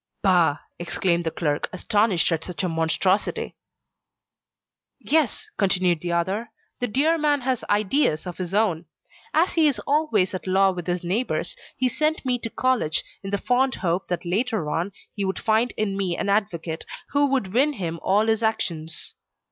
"Bah!" exclaimed the clerk, astonished at such a monstrosity. "Yes," continued the other, "the dear man has ideas of his own. As he is always at law with his neighbours, he sent me to college, in the fond hope that later on, he would find in me an advocate who would win him all his actions.